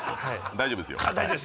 大丈夫です？